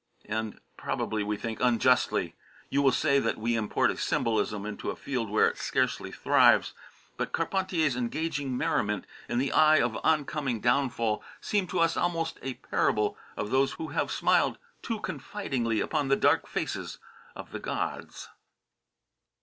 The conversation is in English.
And probably, we think, unjustly. You will say that we import a symbolism into a field where it scarcely thrives. But Carpentier's engaging merriment in the eye of oncoming downfall seemed to us almost a parable of those who have smiled too confidingly upon the dark faces of the gods.